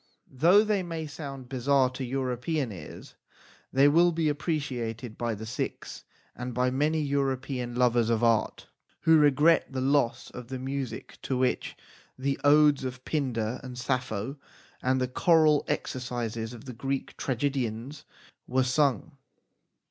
Though they may sound bizarre to European ears, they will be appreciated by the Sikhs and by many European lovers of art who regret the loss of the music to which the Odes of Pindar and Sappho and the choral exercises of the Greek tragedians were sung.